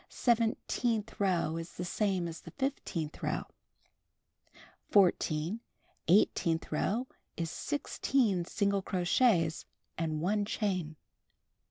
Seventeenth row is the same as the fifteenth row. 14. Eighteenth row is 16 single crochets and 1 chain.